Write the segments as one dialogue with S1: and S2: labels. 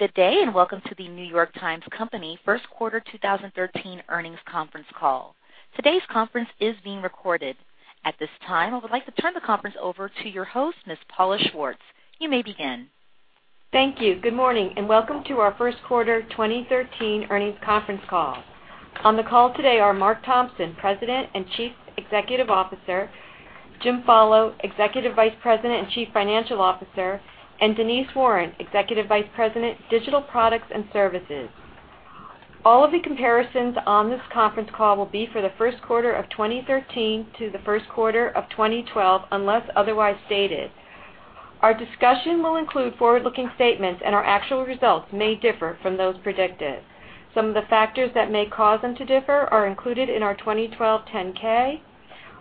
S1: Good day, and welcome to The New York Times Company first quarter 2013 earnings conference call. Today's conference is being recorded. At this time, I would like to turn the conference over to your host, Ms. Paula Schwartz. You may begin.
S2: Thank you. Good morning, and welcome to our first quarter 2013 earnings conference call. On the call today are Mark Thompson, President and Chief Executive Officer, Jim Follo, Executive Vice President and Chief Financial Officer, and Denise Warren, Executive Vice President, Digital Products and Services. All of the comparisons on this conference call will be for the first quarter of 2013 to the first quarter of 2012, unless otherwise stated. Our discussion will include forward-looking statements, and our actual results may differ from those predicted. Some of the factors that may cause them to differ are included in our 2012 10-K.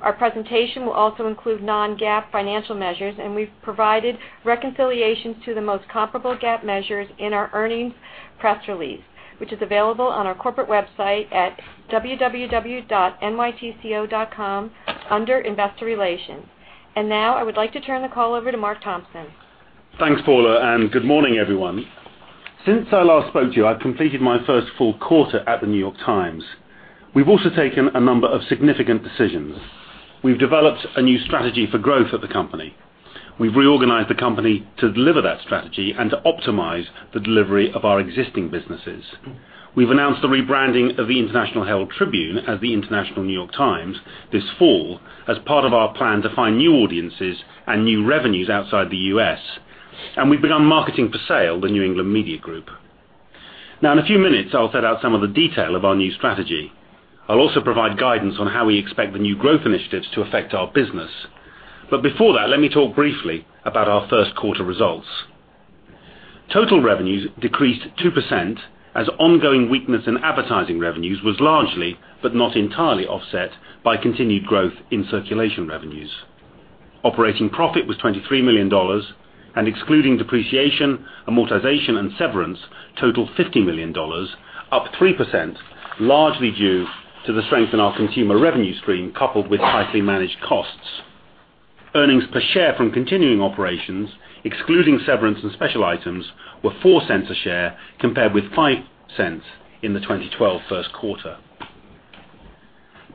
S2: Our presentation will also include non-GAAP financial measures, and we've provided reconciliations to the most comparable GAAP measures in our earnings press release, which is available on our corporate website at www.nytco.com under Investor Relations. Now, I would like to turn the call over to Mark Thompson.
S3: Thanks, Paula, and good morning, everyone. Since I last spoke to you, I've completed my first full quarter at The New York Times. We've also taken a number of significant decisions. We've developed a new strategy for growth of the company. We've reorganized the company to deliver that strategy and to optimize the delivery of our existing businesses. We've announced the rebranding of the International Herald Tribune as the International New York Times this fall as part of our plan to find new audiences and new revenues outside the U.S. We've begun marketing for sale the New England Media Group. Now, in a few minutes, I'll set out some of the detail of our new strategy. I'll also provide guidance on how we expect the new growth initiatives to affect our business. Before that, let me talk briefly about our first quarter results. Total revenues decreased 2% as ongoing weakness in advertising revenues was largely, but not entirely offset by continued growth in circulation revenues. Operating profit was $23 million, and excluding depreciation, amortization, and severance, totaled $50 million, up 3%, largely due to the strength in our consumer revenue stream coupled with tightly managed costs. Earnings per share from continuing operations, excluding severance and special items, were $0.04 a share compared with $0.05 in the 2012 first quarter.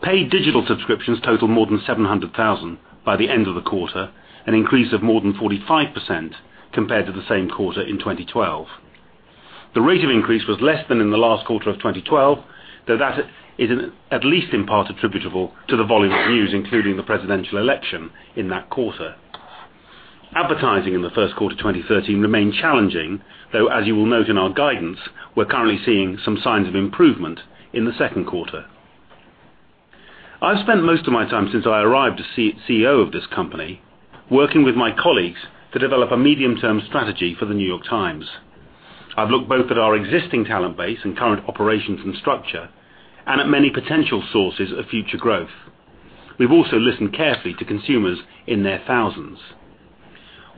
S3: Paid digital subscriptions totaled more than 700,000 by the end of the quarter, an increase of more than 45% compared to the same quarter in 2012. The rate of increase was less than in the last quarter of 2012, though that is at least in part attributable to the volume of news, including the presidential election in that quarter. Advertising in the first quarter 2013 remained challenging, though as you will note in our guidance, we're currently seeing some signs of improvement in the second quarter. I've spent most of my time since I arrived as CEO of this company working with my colleagues to develop a medium-term strategy for The New York Times. I've looked both at our existing talent base and current operations and structure, and at many potential sources of future growth. We've also listened carefully to consumers in their thousands.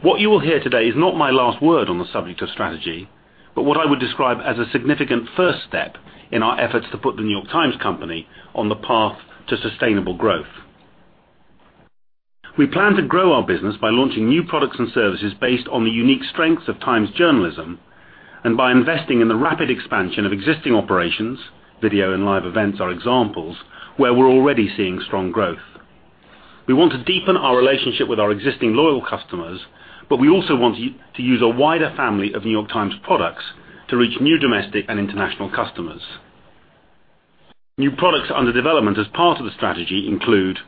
S3: What you will hear today is not my last word on the subject of strategy, but what I would describe as a significant first step in our efforts to put The New York Times Company on the path to sustainable growth. We plan to grow our business by launching new products and services based on the unique strengths of Times journalism and by investing in the rapid expansion of existing operations. Video and live events are examples where we're already seeing strong growth. We want to deepen our relationship with our existing loyal customers, but we also want to use a wider family of New York Times products to reach new domestic and international customers. New products under development as part of the strategy include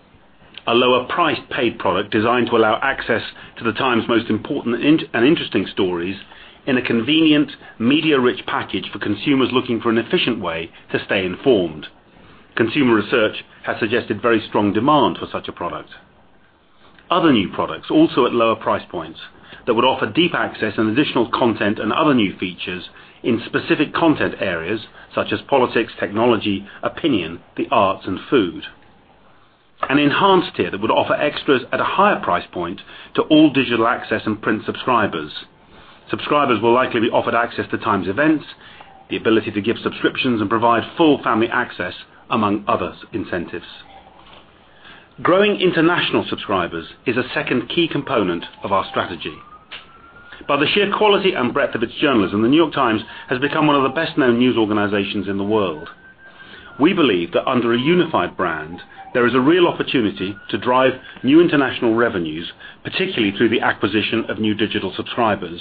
S3: a lower priced paid product designed to allow access to The Times' most important and interesting stories in a convenient media-rich package for consumers looking for an efficient way to stay informed. Consumer research has suggested very strong demand for such a product. Other new products, also at lower price points, that would offer deep access and additional content and other new features in specific content areas such as politics, technology, opinion, the arts, and food. An enhanced tier that would offer extras at a higher price point to all digital access and print subscribers. Subscribers will likely be offered access to Times events, the ability to give subscriptions, and provide full family access, among other incentives. Growing international subscribers is a second key component of our strategy. By the sheer quality and breadth of its journalism, The New York Times has become one of the best-known news organizations in the world. We believe that under a unified brand, there is a real opportunity to drive new international revenues, particularly through the acquisition of new digital subscribers.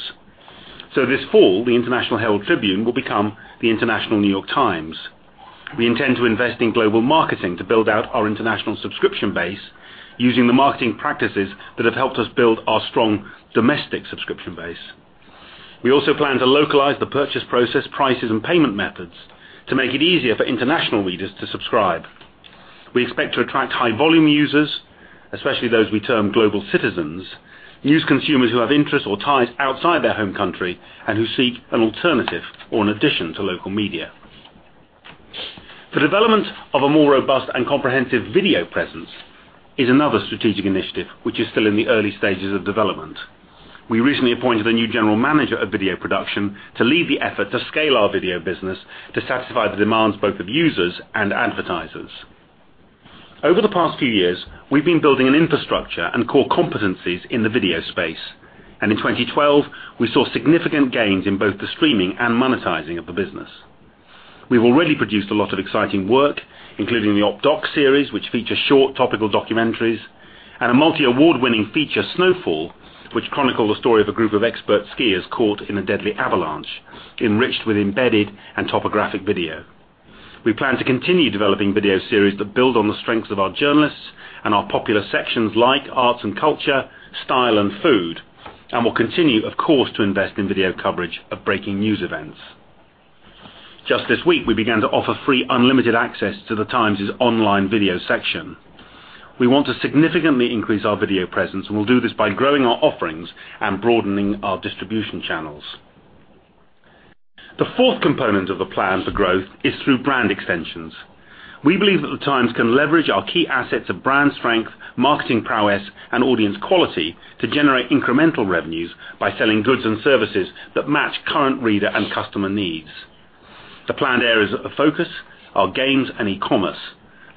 S3: This fall, the International Herald Tribune will become the International New York Times. We intend to invest in global marketing to build out our international subscription base using the marketing practices that have helped us build our strong domestic subscription base. We also plan to localize the purchase process, prices, and payment methods to make it easier for international readers to subscribe. We expect to attract high volume users, especially those we term global citizens, news consumers who have interests or ties outside their home country and who seek an alternative or an addition to local media. The development of a more robust and comprehensive video presence is another strategic initiative which is still in the early stages of development. We recently appointed a new general manager of video production to lead the effort to scale our video business to satisfy the demands both of users and advertisers. Over the past few years, we've been building an infrastructure and core competencies in the video space. In 2012, we saw significant gains in both the streaming and monetizing of the business. We've already produced a lot of exciting work, including the Op-Docs series, which features short topical documentaries, and a multi-award-winning feature, "Snow Fall," which chronicled the story of a group of expert skiers caught in a deadly avalanche, enriched with embedded and topographic video. We plan to continue developing video series that build on the strengths of our journalists and our popular sections like Arts and Culture, Style and Food, and will continue, of course, to invest in video coverage of breaking news events. Just this week, we began to offer free unlimited access to The Times' online Video section. We want to significantly increase our video presence, and we'll do this by growing our offerings and broadening our distribution channels. The fourth component of the plan for growth is through brand extensions. We believe that The Times can leverage our key assets of brand strength, marketing prowess, and audience quality to generate incremental revenues by selling goods and services that match current reader and customer needs. The planned areas of focus are Games and E-commerce.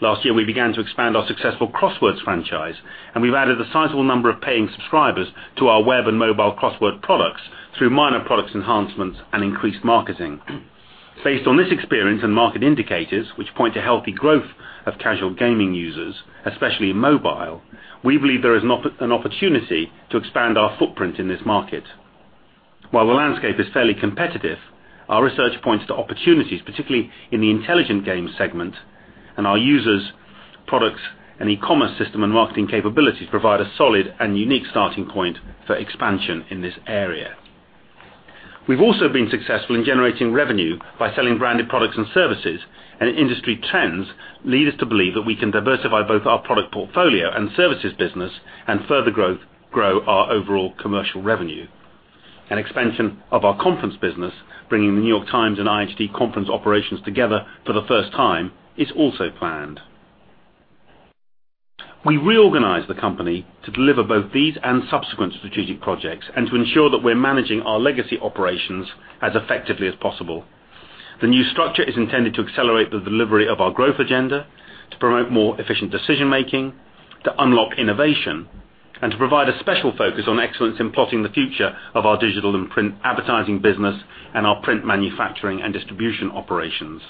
S3: Last year, we began to expand our successful Crosswords franchise, and we've added a sizable number of paying subscribers to our web and mobile crossword products through minor product enhancements and increased marketing. Based on this experience and market indicators, which point to healthy growth of casual gaming users, especially in mobile, we believe there is an opportunity to expand our footprint in this market. While the landscape is fairly competitive, our research points to opportunities, particularly in the intelligent game segment, and our users, products, and e-commerce system and marketing capabilities provide a solid and unique starting point for expansion in this area. We've also been successful in generating revenue by selling branded products and services, and industry trends lead us to believe that we can diversify both our product portfolio and services business and further grow our overall commercial revenue. An expansion of our conference business, bringing The New York Times and IHT conference operations together for the first time, is also planned. We reorganized the company to deliver both these and subsequent strategic projects, and to ensure that we're managing our legacy operations as effectively as possible. The new structure is intended to accelerate the delivery of our growth agenda, to promote more efficient decision-making, to unlock innovation, and to provide a special focus on excellence in plotting the future of our digital and print advertising business and our print manufacturing and distribution operations.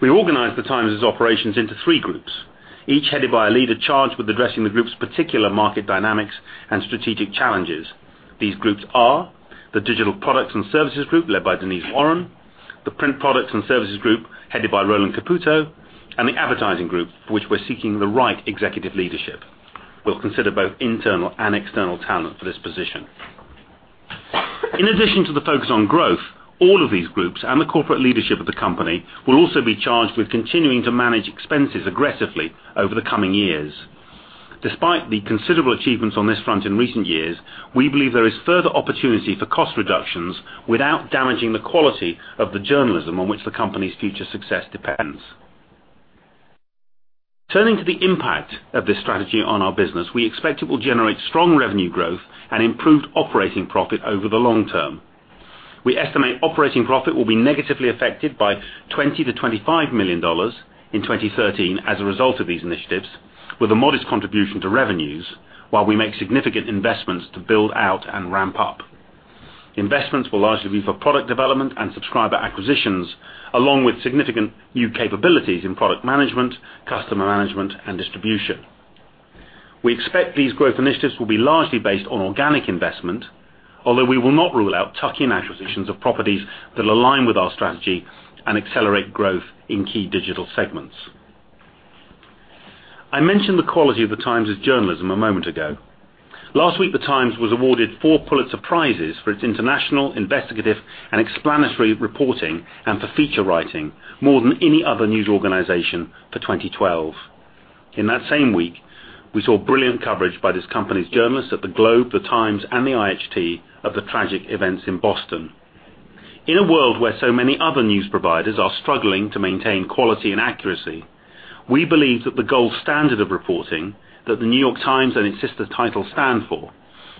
S3: We organized The Times' operations into three groups, each headed by a leader charged with addressing the group's particular market dynamics and strategic challenges. These groups are the Digital Products and Services Group, led by Denise Warren; the Print Products and Services Group, headed by Roland Caputo; and the Advertising Group, for which we're seeking the right executive leadership. We'll consider both internal and external talent for this position. In addition to the focus on growth, all of these groups and the corporate leadership of the company will also be charged with continuing to manage expenses aggressively over the coming years. Despite the considerable achievements on this front in recent years, we believe there is further opportunity for cost reductions without damaging the quality of the journalism on which the company's future success depends. Turning to the impact of this strategy on our business, we expect it will generate strong revenue growth and improved operating profit over the long term. We estimate operating profit will be negatively affected by $20 million-$25 million in 2013 as a result of these initiatives, with a modest contribution to revenues while we make significant investments to build out and ramp up. Investments will largely be for product development and subscriber acquisitions, along with significant new capabilities in product management, customer management, and distribution. We expect these growth initiatives will be largely based on organic investment, although we will not rule out tuck-in acquisitions of properties that align with our strategy and accelerate growth in key digital segments. I mentioned the quality of The Times' journalism a moment ago. Last week, The Times was awarded four Pulitzer Prizes for its international, investigative, and explanatory reporting and for feature writing, more than any other news organization for 2012. In that same week, we saw brilliant coverage by this company's journalists at The Boston Globe, The Times, and the IHT of the tragic events in Boston. In a world where so many other news providers are struggling to maintain quality and accuracy, we believe that the gold standard of reporting that The New York Times and its sister title stand for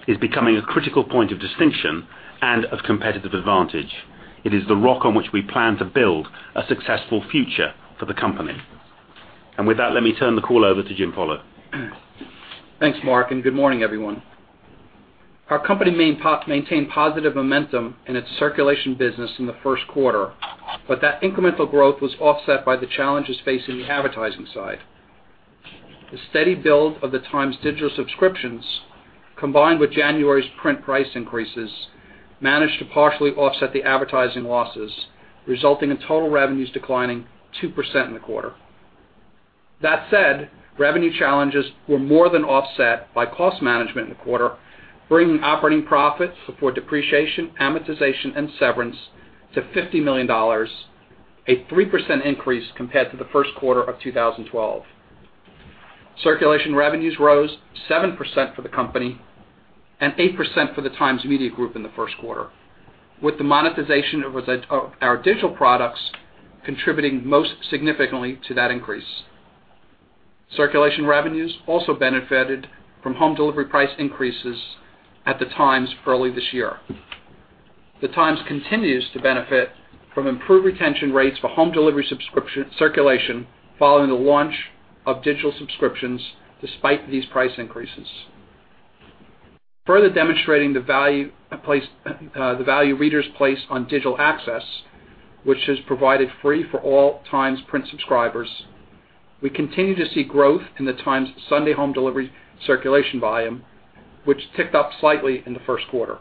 S3: is becoming a critical point of distinction and of competitive advantage. It is the rock on which we plan to build a successful future for the company. With that, let me turn the call over to Jim Follo.
S4: Thanks, Mark, and good morning, everyone. Our company maintained positive momentum in its circulation business in the first quarter, but that incremental growth was offset by the challenges facing the advertising side. The steady build of The New York Times' digital subscriptions, combined with January's print price increases, managed to partially offset the advertising losses, resulting in total revenues declining 2% in the quarter. That said, revenue challenges were more than offset by cost management in the quarter, bringing operating profits before depreciation, amortization, and severance to $50 million, a 3% increase compared to the first quarter of 2012. Circulation revenues rose 7% for the company and 8% for New York Times Media Group in the first quarter, with the monetization of our digital products contributing most significantly to that increase. Circulation revenues also benefited from home delivery price increases at The Times early this year. The Times continues to benefit from improved retention rates for home delivery circulation following the launch of digital subscriptions despite these price increases. Further demonstrating the value readers place on digital access, which is provided free for all Times print subscribers, we continue to see growth in The Times' Sunday home delivery circulation volume, which ticked up slightly in the first quarter.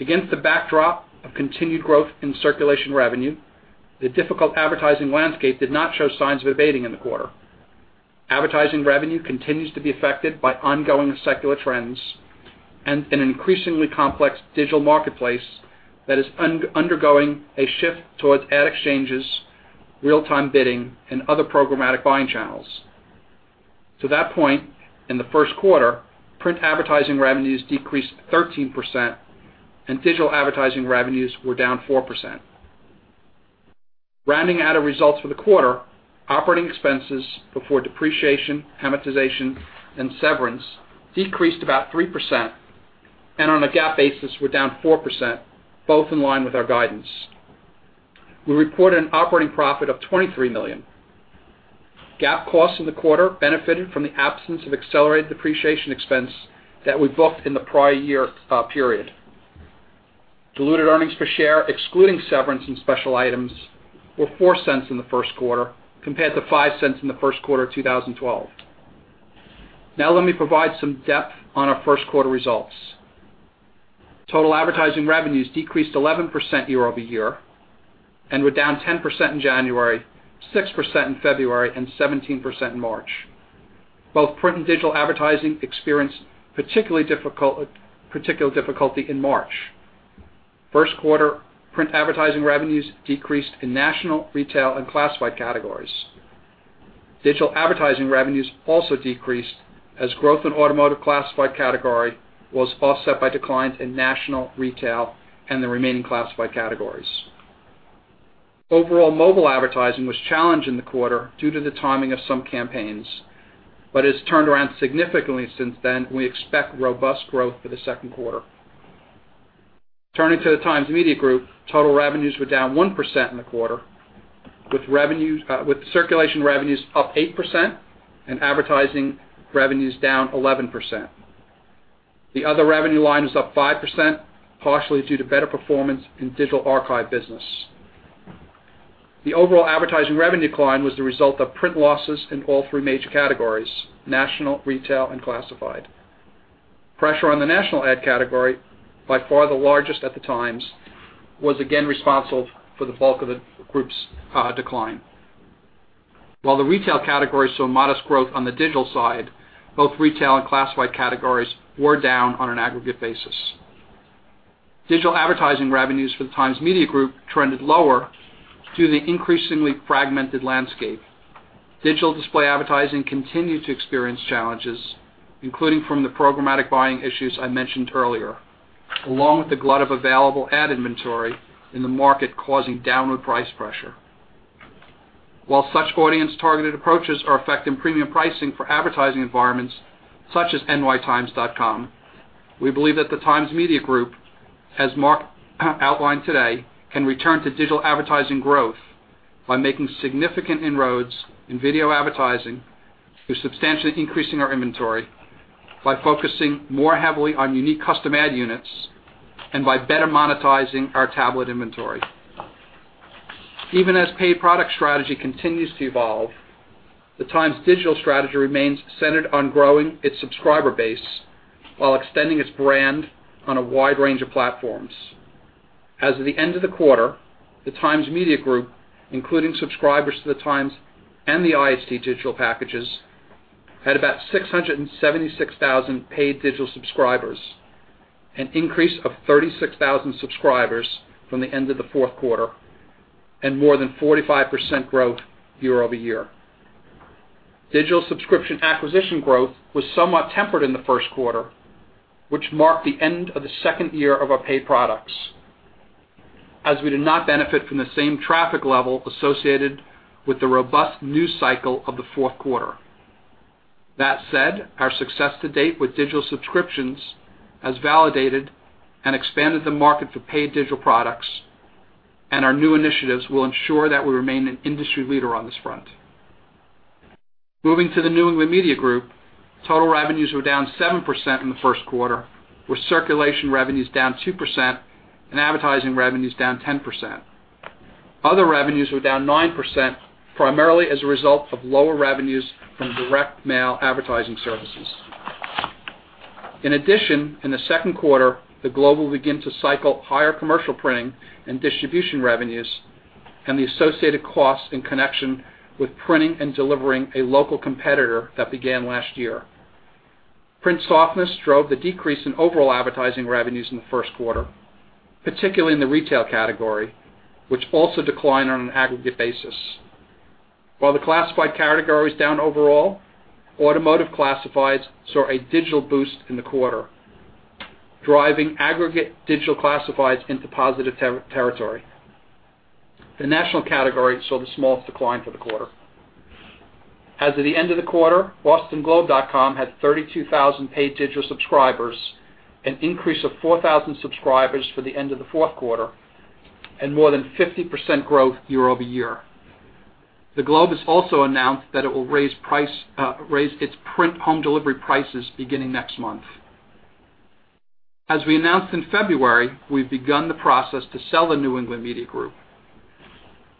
S4: Against the backdrop of continued growth in circulation revenue, the difficult advertising landscape did not show signs of abating in the quarter. Advertising revenue continues to be affected by ongoing secular trends and an increasingly complex digital marketplace that is undergoing a shift towards ad exchanges, real-time bidding, and other programmatic buying channels. To that point, in the first quarter, print advertising revenues decreased 13%, and digital advertising revenues were down 4%. Rounding out our results for the quarter, operating expenses before depreciation, amortization, and severance decreased about 3%, and on a GAAP basis, were down 4%, both in line with our guidance. We reported an operating profit of $23 million. GAAP costs in the quarter benefited from the absence of accelerated depreciation expense that we booked in the prior year period. Diluted earnings per share, excluding severance and special items, were $0.04 in the first quarter compared to $0.05 in the first quarter of 2012. Now let me provide some depth on our first quarter results. Total advertising revenues decreased 11% year-over-year and were down 10% in January, 6% in February, and 17% in March. Both print and digital advertising experienced particular difficulty in March. First quarter print advertising revenues decreased in national, retail, and classified categories. Digital advertising revenues also decreased as growth in automotive classified category was offset by declines in national, retail, and the remaining classified categories. Overall mobile advertising was challenged in the quarter due to the timing of some campaigns. It has turned around significantly since then, and we expect robust growth for the second quarter. Turning to the Times Media Group, total revenues were down 1% in the quarter, with circulation revenues up 8% and advertising revenues down 11%. The other revenue line was up 5%, partially due to better performance in digital archive business. The overall advertising revenue decline was the result of print losses in all three major categories, national, retail, and classified. Pressure on the national ad category, by far the largest at The Times, was again responsible for the bulk of the group's decline. While the retail category saw modest growth on the digital side, both retail and classified categories were down on an aggregate basis. Digital advertising The New York Times Media Group trended lower due to the increasingly fragmented landscape. Digital display advertising continued to experience challenges, including from the programmatic buying issues I mentioned earlier, along with the glut of available ad inventory in the market causing downward price pressure. While such audience-targeted approaches are affecting premium pricing for advertising environments such as nytimes.com, we The New York Times Media Group, as Mark outlined today, can return to digital advertising growth by making significant inroads in video advertising through substantially increasing our inventory, by focusing more heavily on unique custom ad units, and by better monetizing our tablet inventory. Even as paid product strategy continues to evolve, The Times' digital strategy remains centered on growing its subscriber base while extending its brand on a wide range of platforms. As of the end of the quarter, the Times Media Group, including subscribers to The Times and the IHT digital packages, had about 676,000 paid digital subscribers, an increase of 36,000 subscribers from the end of the fourth quarter and more than 45% growth year-over-year. Digital subscription acquisition growth was somewhat tempered in the first quarter, which marked the end of the second year of our paid products, as we did not benefit from the same traffic level associated with the robust news cycle of the fourth quarter. That said, our success to date with digital subscriptions has validated and expanded the market for paid digital products, and our new initiatives will ensure that we remain an industry leader on this front. Moving to the New England Media Group, total revenues were down 7% in the first quarter, with circulation revenues down 2% and advertising revenues down 10%. Other revenues were down 9%, primarily as a result of lower revenues from direct mail advertising services. In addition, in the second quarter, The Boston Globe will begin to cycle higher commercial printing and distribution revenues and the associated costs in connection with printing and delivering a local competitor that began last year. Print softness drove the decrease in overall advertising revenues in the first quarter, particularly in the retail category, which also declined on an aggregate basis. While the classified category was down overall, automotive classifieds saw a digital boost in the quarter, driving aggregate digital classifieds into positive territory. The national category saw the smallest decline for the quarter. As of the end of the quarter, bostonglobe.com had 32,000 paid digital subscribers, an increase of 4,000 subscribers for the end of the fourth quarter, and more than 50% growth year-over-year. The Boston Globe has also announced that it will raise its print home delivery prices beginning next month. As we announced in February, we've begun the process to sell the New England Media Group.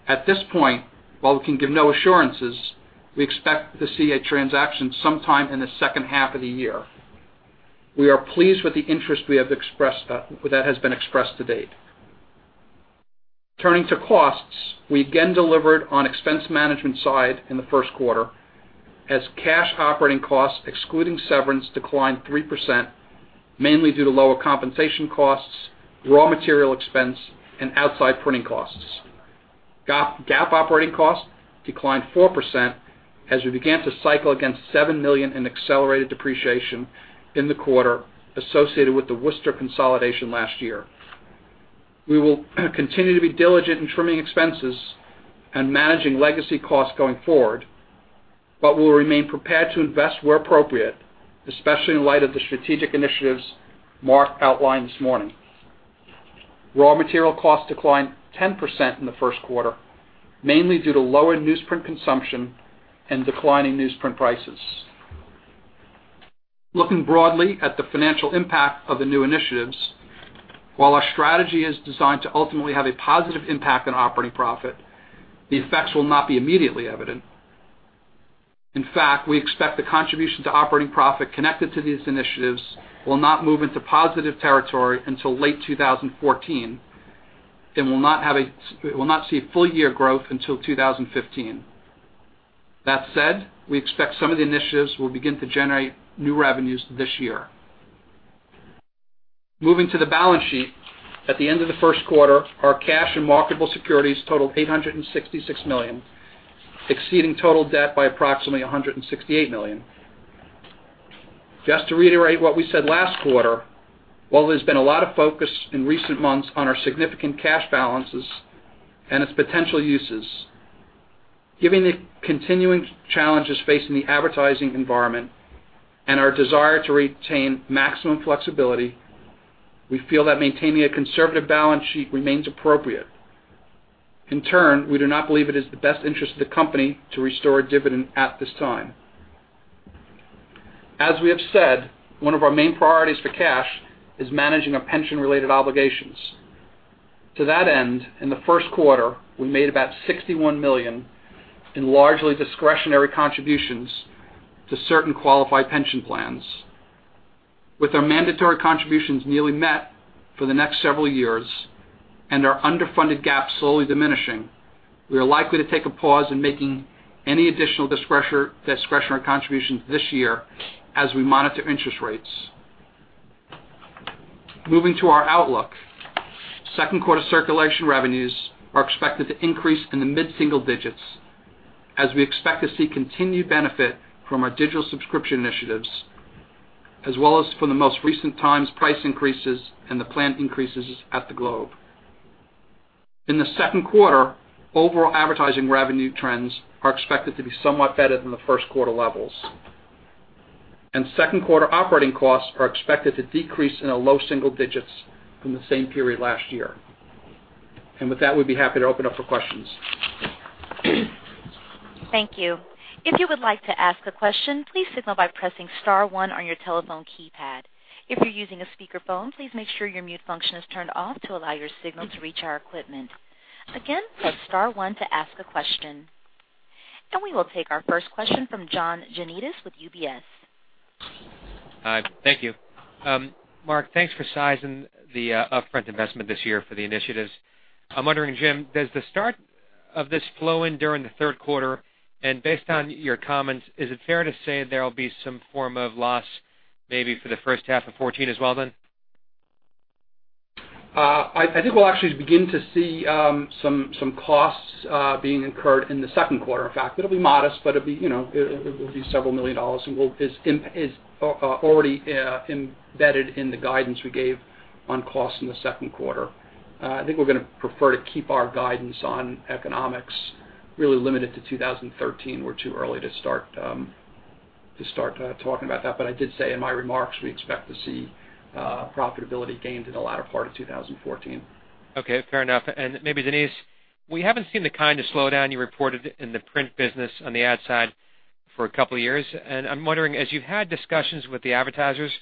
S4: At this point, while we can give no assurances, we expect to see a transaction sometime in the second half of the year. We are pleased with the interest that has been expressed to date. Turning to costs, we again delivered on expense management side in the first quarter as cash operating costs, excluding severance, declined 3%, mainly due to lower compensation costs, raw material expense, and outside printing costs. GAAP operating costs declined 4% as we began to cycle against $7 million in accelerated depreciation in the quarter associated with the Worcester consolidation last year. We will continue to be diligent in trimming expenses and managing legacy costs going forward, but we'll remain prepared to invest where appropriate, especially in light of the strategic initiatives Mark outlined this morning. Raw material costs declined 10% in the first quarter, mainly due to lower newsprint consumption and declining newsprint prices. Looking broadly at the financial impact of the new initiatives, while our strategy is designed to ultimately have a positive impact on operating profit, the effects will not be immediately evident. In fact, we expect the contribution to operating profit connected to these initiatives will not move into positive territory until late 2014 and will not see full-year growth until 2015. That said, we expect some of the initiatives will begin to generate new revenues this year. Moving to the balance sheet. At the end of the first quarter, our cash and marketable securities totaled $866 million, exceeding total debt by approximately $168 million. Just to reiterate what we said last quarter, while there's been a lot of focus in recent months on our significant cash balances and its potential uses, given the continuing challenges facing the advertising environment and our desire to retain maximum flexibility, we feel that maintaining a conservative balance sheet remains appropriate. In turn, we do not believe it is in the best interest of the company to restore a dividend at this time. As we have said, one of our main priorities for cash is managing our pension-related obligations. To that end, in the first quarter, we made about $61 million in largely discretionary contributions to certain qualified pension plans. With our mandatory contributions nearly met for the next several years and our underfunded gap slowly diminishing, we are likely to take a pause in making any additional discretionary contributions this year as we monitor interest rates. Moving to our outlook. Second quarter circulation revenues are expected to increase in the mid-single digits as we expect to see continued benefit from our digital subscription initiatives, as well as from the most recent Times price increases and the planned increases at The Boston Globe. In the second quarter, overall advertising revenue trends are expected to be somewhat better than the first quarter levels. Second quarter operating costs are expected to decrease in the low single digits from the same period last year. With that, we'd be happy to open up for questions.
S1: Thank you. If you would like to ask a question, please signal by pressing star one on your telephone keypad. If you're using a speakerphone, please make sure your mute function is turned off to allow your signal to reach our equipment. Again, press star one to ask a question. We will take our first question from John Janedis with UBS.
S5: Hi. Thank you. Mark, thanks for sizing the upfront investment this year for the initiatives. I'm wondering, Jim, does the start of this flow in during the third quarter? Based on your comments, is it fair to say there'll be some form of loss maybe for the first half of 2014 as well then?
S4: I think we'll actually begin to see some costs being incurred in the second quarter. In fact, it'll be modest, but it will be several million dollars and is already embedded in the guidance we gave on costs in the second quarter. I think we're going to prefer to keep our guidance on economics really limited to 2013. We're too early to start talking about that. I did say in my remarks, we expect to see profitability gained in the latter part of 2014.
S5: Okay. Fair enough. Maybe Denise, we haven't seen the kind of slowdown you reported in the print business on the ad side for a couple of years. I'm wondering, as you've had discussions with the advertisers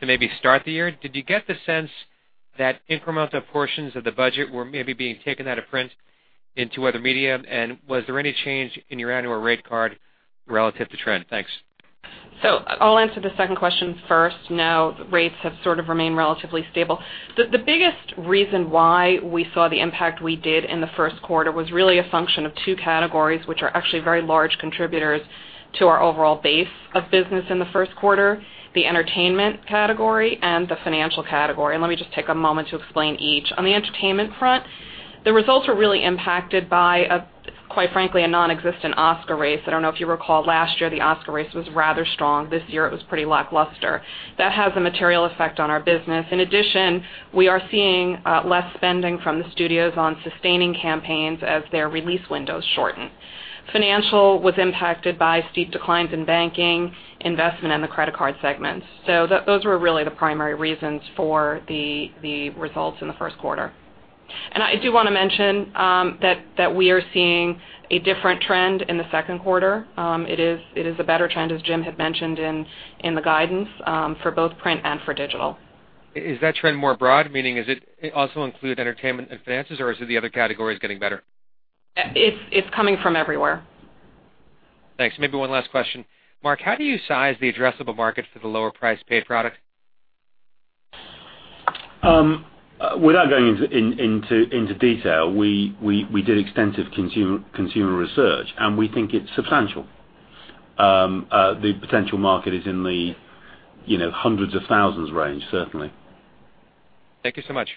S5: to maybe start the year, did you get the sense that incremental portions of the budget were maybe being taken out of print into other media? Was there any change in your annual rate card relative to trend? Thanks.
S6: I'll answer the second question first. No, the rates have sort of remained relatively stable. The biggest reason why we saw the impact we did in the first quarter was really a function of two categories, which are actually very large contributors to our overall base of business in the first quarter, the entertainment category and the financial category. Let me just take a moment to explain each. On the entertainment front, the results were really impacted by, quite frankly, a nonexistent Oscar race. I don't know if you recall, last year the Oscar race was rather strong. This year it was pretty lackluster. That has a material effect on our business. In addition, we are seeing less spending from the studios on sustaining campaigns as their release windows shorten. Financial was impacted by steep declines in banking, investment in the credit card segments. Those were really the primary reasons for the results in the first quarter. I do want to mention that we are seeing a different trend in the second quarter. It is a better trend, as Jim had mentioned in the guidance for both print and for digital.
S5: Is that trend more broad, meaning does it also include entertainment and finances, or is it the other categories getting better?
S6: It's coming from everywhere.
S5: Thanks. Maybe one last question. Mark, how do you size the addressable market for the lower-priced paid product?
S3: Without going into detail, we did extensive consumer research, and we think it's substantial. The potential market is in the hundreds of thousands range, certainly.
S5: Thank you so much.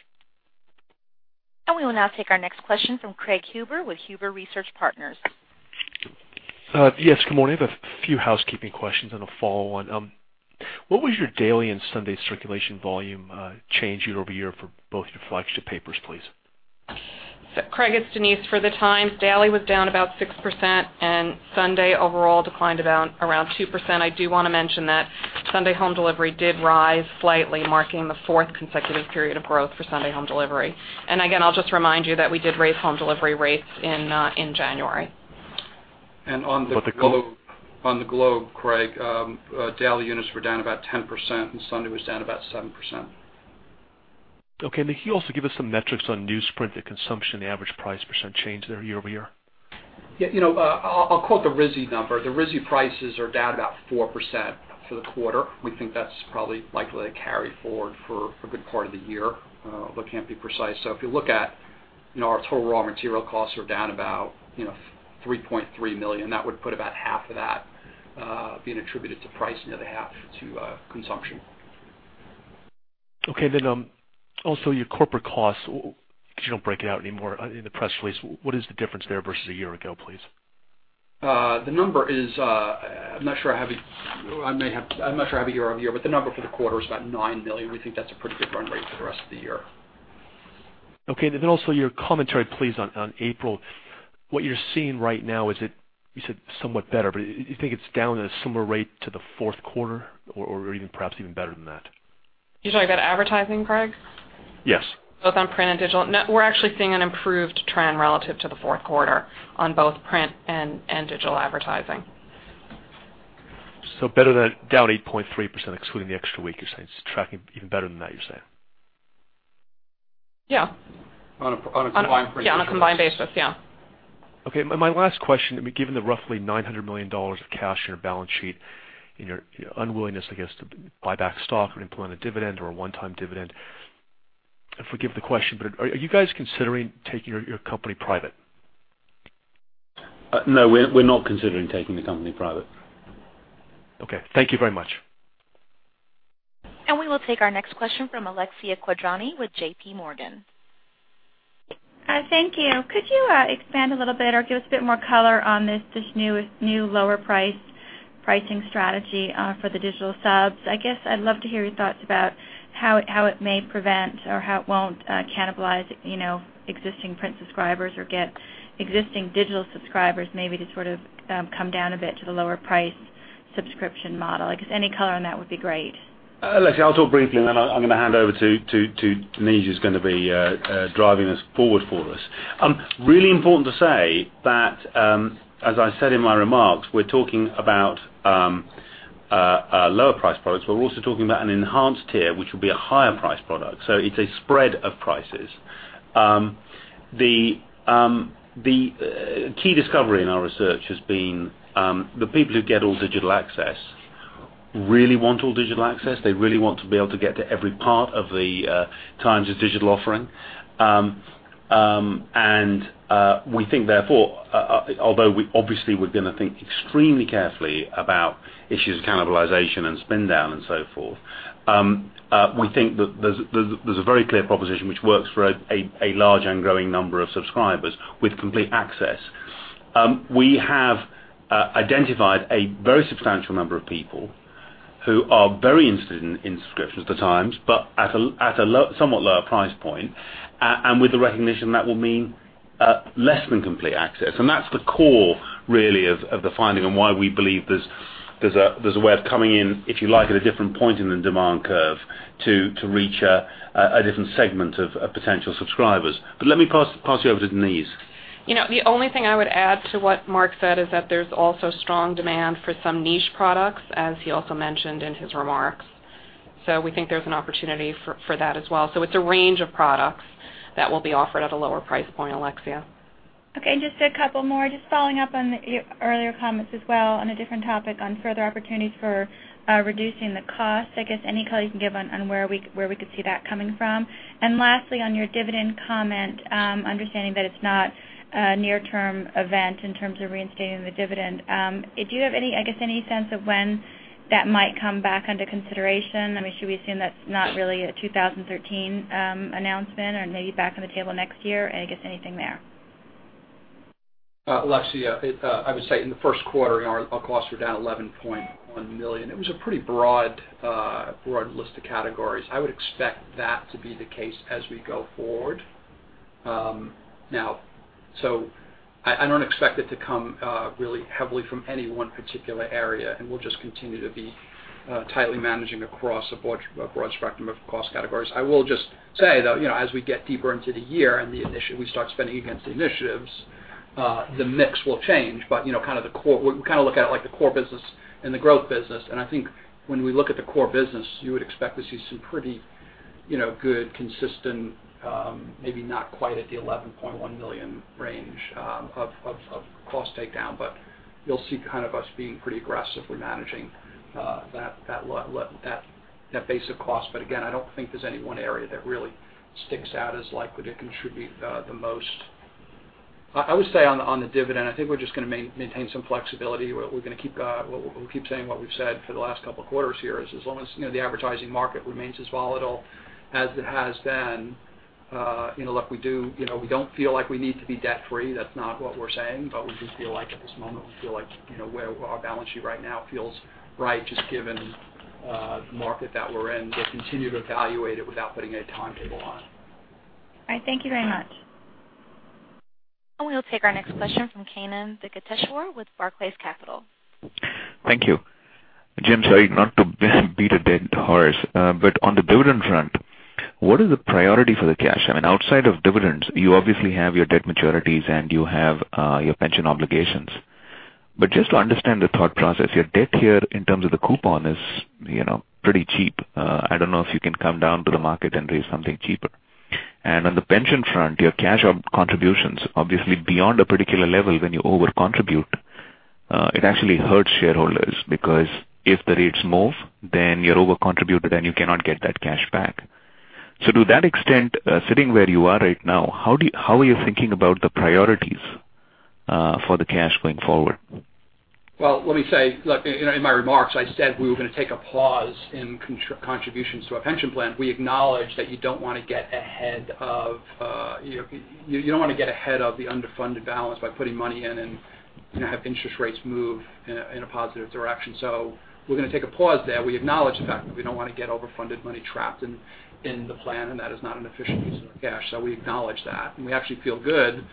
S1: We will now take our next question from Craig Huber with Huber Research Partners.
S7: Yes, good morning. I have a few housekeeping questions and a follow on. What was your daily and Sunday circulation volume change year-over-year for both your flagship papers, please?
S6: Craig, it's Denise. For The Times, daily was down about 6% and Sunday overall declined around 2%. I do want to mention that Sunday home delivery did rise slightly, marking the fourth consecutive period of growth for Sunday home delivery. Again, I'll just remind you that we did raise home delivery rates in January.
S4: On The Boston Globe, Craig, daily units were down about 10% and Sunday was down about 7%.
S7: Okay. Can you also give us some metrics on newsprint, the consumption, the average price percent change there year-over-year?
S4: Yeah. I'll quote the RISI number. The RISI prices are down about 4% for the quarter. We think that's probably likely to carry forward for a good part of the year, but can't be precise. If you look at our total raw material costs, are down about $3.3 million. That would put about $1.65 million of that being attributed to price, and the other $1.65 million to consumption.
S7: Okay. Also your corporate costs, because you don't break it out anymore in the press release. What is the difference there versus a year ago, please?
S4: I'm not sure I have it year-over-year, but the number for the quarter is about $9 million. We think that's a pretty good run rate for the rest of the year.
S7: Okay. Also your commentary, please, on April, what you're seeing right now is that you said somewhat better, but you think it's down at a similar rate to the fourth quarter or even perhaps better than that?
S6: You talking about advertising, Craig?
S7: Yes.
S6: Both on print and digital? No, we're actually seeing an improved trend relative to the fourth quarter on both print and digital advertising.
S7: Better than down 8.3%, excluding the extra week, you're saying it's tracking even better than that, you're saying?
S6: Yeah.
S4: On a combined print.
S6: Yeah, on a combined basis, yeah.
S7: Okay. My last question, given the roughly $900 million of cash in your balance sheet and your unwillingness, I guess, to buy back stock or implement a dividend or a one-time dividend, and forgive the question, but are you guys considering taking your company private?
S3: No, we're not considering taking the company private.
S7: Okay, thank you very much.
S1: We will take our next question from Alexia Quadrani with JPMorgan.
S8: Hi. Thank you. Could you expand a little bit or give us a bit more color on this new lower pricing strategy for the digital subs? I guess I'd love to hear your thoughts about how it may prevent or how it won't cannibalize existing print subscribers, or get existing digital subscribers, maybe to sort of come down a bit to the lower price subscription model. I guess any color on that would be great.
S3: Alexia, I'll talk briefly, and then I'm going to hand over to Denise, who's going to be driving this forward for us. Really important to say that, as I said in my remarks, we're talking about lower-priced products, but we're also talking about an enhanced tier, which will be a higher-priced product. So it's a spread of prices. The key discovery in our research has been the people who get all digital access really want all digital access. They really want to be able to get to every part of The Times' digital offering. We think, therefore, although obviously we're going to think extremely carefully about issues of cannibalization and spin down and so forth, we think that there's a very clear proposition which works for a large and growing number of subscribers with complete access. We have identified a very substantial number of people who are very interested in subscriptions to Times, but at a somewhat lower price point, and with the recognition that will mean less than complete access. That's the core, really, of the finding on why we believe there's a way of coming in, if you like, at a different point in the demand curve to reach a different segment of potential subscribers. Let me pass you over to Denise.
S6: The only thing I would add to what Mark said is that there's also strong demand for some niche products, as he also mentioned in his remarks. We think there's an opportunity for that as well. It's a range of products that will be offered at a lower price point, Alexia.
S8: Okay, just a couple more. Just following up on your earlier comments as well on a different topic, on further opportunities for reducing the cost. I guess any color you can give on where we could see that coming from? Lastly, on your dividend comment, understanding that it's not a near-term event in terms of reinstating the dividend, do you have any sense of when that might come back under consideration? I mean, should we assume that's not really a 2013 announcement, or maybe back on the table next year? I guess anything there.
S4: Alexia, I would say in the first quarter, our costs were down $11.1 million. It was a pretty broad list of categories. I would expect that to be the case as we go forward. I don't expect it to come really heavily from any one particular area, and we'll just continue to be tightly managing across a broad spectrum of cost categories. I will just say, though, as we get deeper into the year and we start spending against the initiatives, the mix will change. We look at it like the core business and the growth business. I think when we look at the core business, you would expect to see some pretty good, consistent, maybe not quite at the $11.1 million range of cost takedown, but you'll see us being pretty aggressive. We're managing that basic cost. Again, I don't think there's any one area that really sticks out as likely to contribute the most. I would say on the dividend, I think we're just going to maintain some flexibility. We're going to keep saying what we've said for the last couple of quarters here, is as long as the advertising market remains as volatile as it has been. Look, we don't feel like we need to be debt-free. That's not what we're saying, but at this moment, we feel like our balance sheet right now feels right, just given the market that we're in. We'll continue to evaluate it without putting a timetable on it.
S8: All right. Thank you very much.
S1: We'll take our next question from Kannan Venkateshwar with Barclays Capital.
S9: Thank you. Jim, sorry, not to beat a dead horse, but on the dividend front, what is the priority for the cash? I mean, outside of dividends, you obviously have your debt maturities, and you have your pension obligations. Just to understand the thought process, your debt here, in terms of the coupon, is pretty cheap. I don't know if you can come down to the market and raise something cheaper. On the pension front, your cash contributions, obviously, beyond a particular level, when you over contribute, it actually hurts shareholders, because if the rates move, then you're over contributed and you cannot get that cash back. To that extent, sitting where you are right now, how are you thinking about the priorities for the cash going forward?
S4: Well, let me say, look, in my remarks, I said we were going to take a pause in contributions to our pension plan. We acknowledge that you don't want to get ahead of the underfunded balance by putting money in and have interest rates move in a positive direction. We're going to take a pause there. We acknowledge the fact that we don't want to get overfunded money trapped in the plan, and that is not an efficient use of our cash. We acknowledge that, and we actually feel good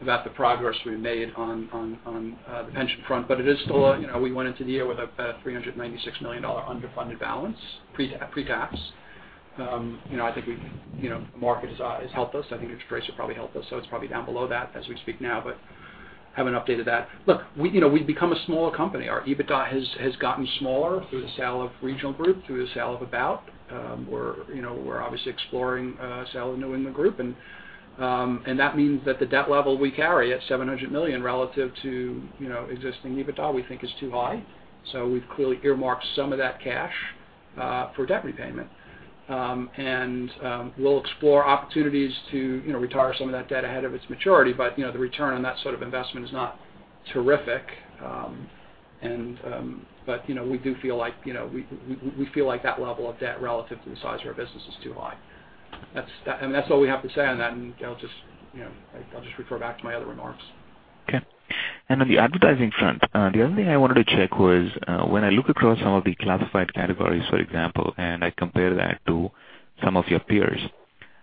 S4: about the progress we've made on the pension front. We went into the year with a $396 million underfunded balance, pre-tax. I think the market has helped us. I think interest rates have probably helped us. It's probably down below that as we speak now, but we haven't updated that. Look, we've become a smaller company. Our EBITDA has gotten smaller through the sale of Regional Media Group, through the sale of About.com. We're obviously exploring a sale of New England Group, and that means that the debt level we carry at $700 million relative to existing EBITDA, we think is too high. We've clearly earmarked some of that cash for debt repayment. We'll explore opportunities to retire some of that debt ahead of its maturity. The return on that sort of investment is not terrific. We feel like that level of debt relative to the size of our business is too high. That's all we have to say on that, and I'll just refer back to my other remarks.
S9: Okay. On the advertising front, the other thing I wanted to check was, when I look across some of the classified categories, for example, and I compare that to some of your peers,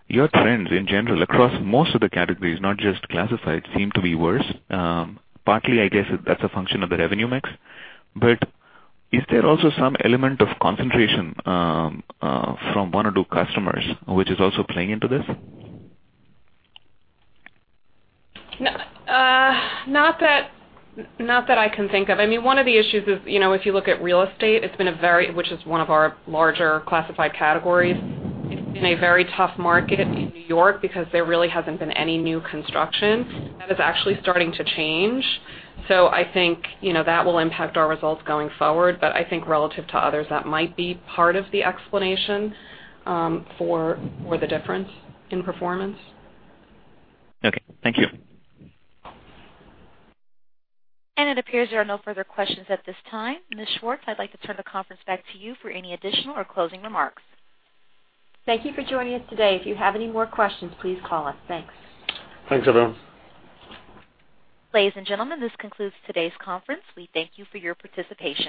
S9: your trends in general across most of the categories, not just classified, seem to be worse. Partly, I guess, that's a function of the revenue mix. But is there also some element of concentration from one or two customers which is also playing into this?
S6: Not that I can think of. One of the issues is, if you look at real estate, which is one of our larger classified categories, it's been a very tough market in New York because there really hasn't been any new construction. That is actually starting to change. I think that will impact our results going forward. I think relative to others, that might be part of the explanation for the difference in performance.
S9: Okay. Thank you.
S1: It appears there are no further questions at this time. Ms. Schwartz, I'd like to turn the conference back to you for any additional or closing remarks.
S2: Thank you for joining us today. If you have any more questions, please call us. Thanks.
S4: Thanks, everyone.
S1: Ladies and gentlemen, this concludes today's conference. We thank you for your participation.